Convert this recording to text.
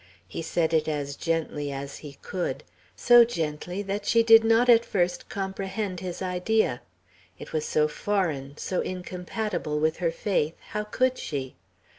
He said it as gently as he could; so gently that she did not at first comprehend his idea. It was so foreign, so incompatible with her faith, how could she?